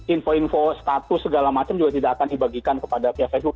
info info status segala macam juga tidak akan dibagikan kepada pihak faceboo